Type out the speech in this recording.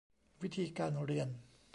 วิธีการเรียน